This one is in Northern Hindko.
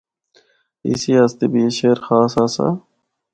اس آسطے بھی اے شہر خاص آسا۔